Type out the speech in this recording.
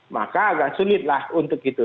maka agak sulitlah untuk itu